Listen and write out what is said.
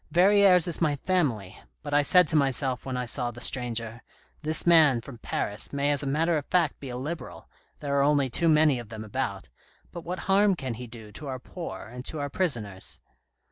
Verrieres is my family, but I said to myself when I saw the stranger, ' This man from Paris may as a matter of fact be a Liberal, there are only too many of them about, but what harm can he do to our poor and to our prisoners